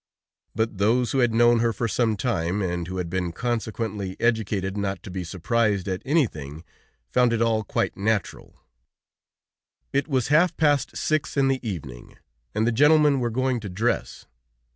But those who had known her for some time, and who had been consequently educated not to be surprised at anything, found it all quite natural. It was half past six in the evening, and the gentlemen were going to dress.